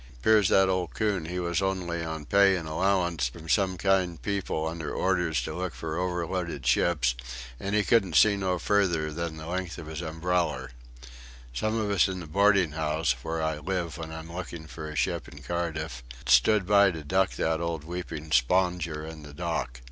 'Pears that old coon he was only on pay and allowance from some kind people, under orders to look for overloaded ships, and he couldn't see no further than the length of his umbreller. Some of us in the boarding house, where I live when I'm looking for a ship in Cardiff, stood by to duck that old weeping spunger in the dock.